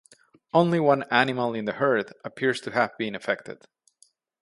Only one animal in the herd appears to have been affected.